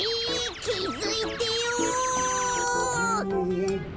きづいてよ。